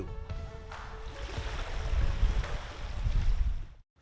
perahu jong adalah satu dari dua budaya yang berlaku di indonesia